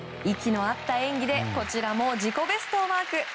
息の合った演技でこちらも自己ベストをマーク。